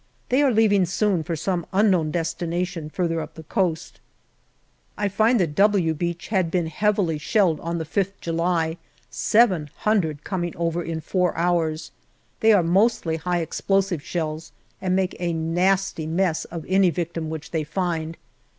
They are leaving soon for some unknown destination, further up the coast. I find that " W " Beach has been heavily shelled on the 5th July, seven hundred coming over in four hours. They are mostly high explosive shells, and make a nasty mess of any victim which they find.